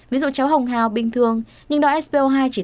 ví dụ cháu hồng hào bình thường nhưng đo spo hai chỉ tám mươi chín mươi